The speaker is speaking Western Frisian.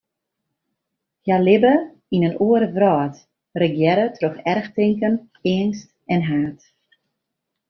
Hja libbe yn in oare wrâld, regearre troch erchtinken, eangst en haat.